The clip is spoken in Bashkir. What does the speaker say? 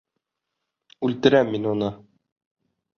Үлтерәм мин уны!